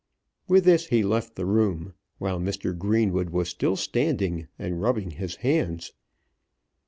With this he left the room, while Mr. Greenwood was still standing and rubbing his hands.